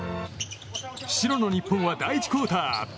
白の日本は第１クオーター。